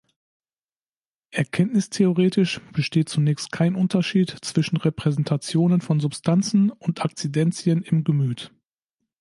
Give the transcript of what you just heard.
Erkenntnistheoretisch besteht zunächst kein Unterschied zwischen Repräsentationen von Substanzen und Akzidentien im Gemüt.